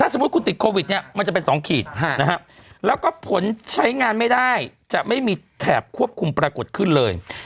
สมมุติคุณติดโควิดเนี่ยมันจะเป็น๒ขีดแล้วก็ผลใช้งานไม่ได้จะไม่มีแถบควบคุมปรากฏขึ้นเลย